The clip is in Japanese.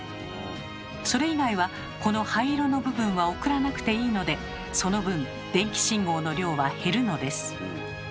それ以外はこの灰色の部分は送らなくていいのでその分電気信号の量は減るのです。